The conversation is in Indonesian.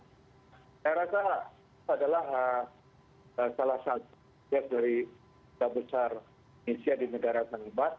saya rasa adalah salah satu dari kabupaten indonesia di negara tersebut bahwa kita tidak ikut dalam politik domestik negara sahabat kita